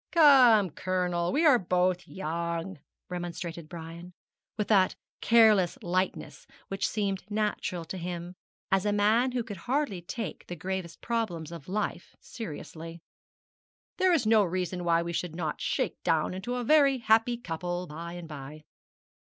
'Come, Colonel, we are both young,' remonstrated Brian, with that careless lightness which seemed natural to him, as a man who could hardly take the gravest problems of life seriously; 'there is no reason why we should not shake down into a very happy couple by and by.'